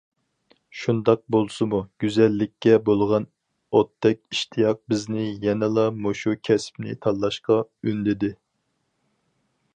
شۇنداق بولسىمۇ، گۈزەللىككە بولغان ئوتتەك ئىشتىياق بىزنى يەنىلا مۇشۇ كەسىپنى تاللاشقا ئۈندىدى.